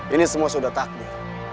ini semua sudah takdir